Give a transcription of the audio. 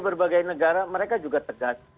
berbagai negara mereka juga tegas